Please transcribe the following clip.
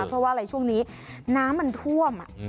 เพราะว่าอะไรช่วงนี้น้ำมันท่วม